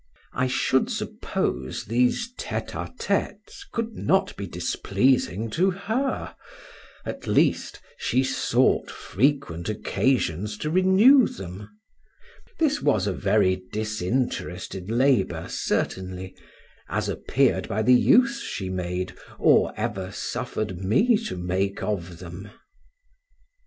I should suppose these 'tete a tete' could not be displeasing to her, at least, she sought frequent occasions to renew them; this was a very disinterested labor, certainly, as appeared by the use she made, or ever suffered me to make of them.